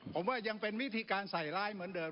ผมว่ายังเป็นวิธีการใส่ร้ายเหมือนเดิม